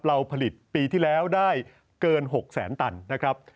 เราผลิตปีที่แล้วได้เกิน๖แสนตันนะครับ